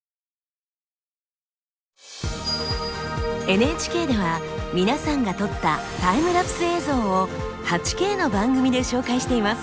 ＮＨＫではみなさんが撮ったタイムラプス映像を８Ｋの番組で紹介しています。